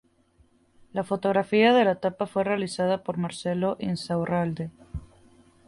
La fotografía de la tapa fue realizada por Marcelo Insaurralde.